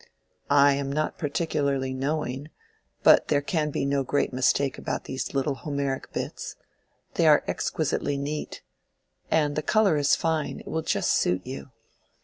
"I am not particularly knowing, but there can be no great mistake about these little Homeric bits: they are exquisitely neat. And the color is fine: it will just suit you."